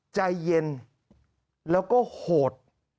ใจเย็นแล้วก็โหด